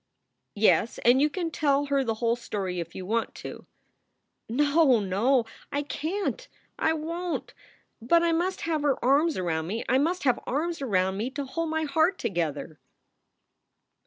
"Yes, and you can tell her the whole story if you want to." "No, no! I can t! I won t! But I must have her arms around me. I must have arms around me to hold my heart together."